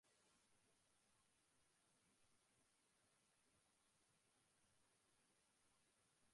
কিন্তু ত্রুটিপূর্ণ ফরম বেলা একটার পরে ফেরত দেওয়া হবে বলে জানিয়ে দেন।